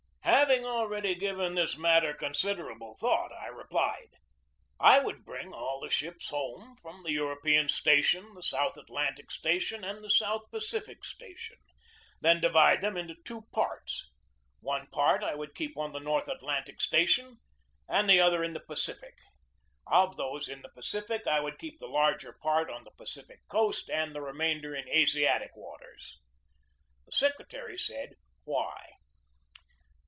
Having already given this subject considerable thought, I replied: "I would bring all the ships home from the European station, the South Atlan tic station, and the South Pacific station, then divide them into two parts; one part I would keep on the North Atlantic station, and the other in the Pacific. Of those in the Pacific, I would keep the larger part on the Pacific coast and the remainder in Asiatic waters." The secretary said, "Why?"